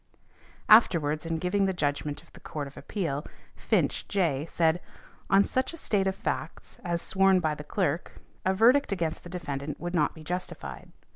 Afterwards in giving the judgment of the Court of Appeal, Finch, J., said, "on such a state of facts (as sworn to by the clerk) a verdict |185| against the defendant would not be justified.